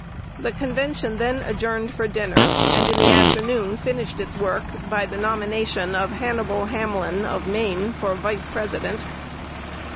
The convention then adjourned for dinner, and in the afternoon finished its work by the nomination of Hannibal Hamlin of Maine for Vice President.